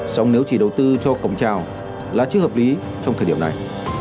xong nếu chỉ đầu tư cho cổng treo là chứ hợp lý trong thời điểm này